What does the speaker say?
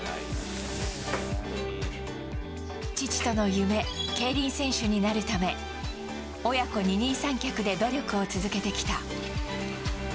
父との夢・競輪選手になるため親子二人三脚で努力を続けてきた。